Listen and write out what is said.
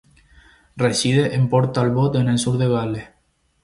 Reside en Port Talbot, en el sur de Gales.